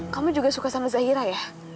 kamu juga suka sama zahira ya